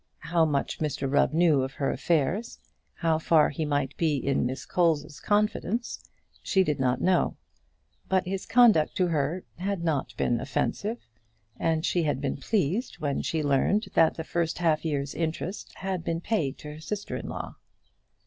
How much Mr Rubb knew of her affairs, how far he might be in Miss Colza's confidence, she did not know; but his conduct to her had not been offensive, and she had been pleased when she learned that the first half year's interest had been paid to her sister in law.